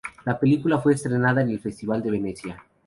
La película fue estrenada en el Festival de Venecia.